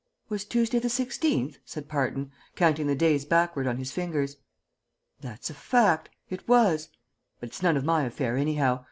"Was Tuesday the 16th?" said Parton, counting the days backward on his fingers. "That's a fact. It was but it's none of my affair anyhow.